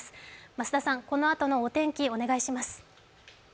増田さん、このあとのお天気、お願いします。